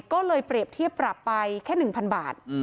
ก็เลยเปรียบเทียบปรับไปแค่๑๐๐บาท